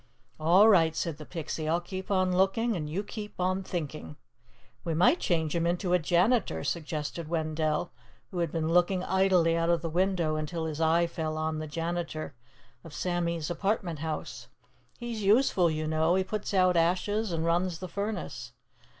"All right," said the Pixie. "I'll keep on looking, and you keep on thinking." "We might change him into a janitor," suggested Wendell, who had been looking idly out of the window until his eye fell on the janitor of Sammy's apartment house. "He's useful, you know. He puts out ashes and runs the furnace."